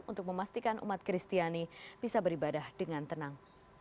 untuk memastikan umat kristiani bisa beribadah dengan tenang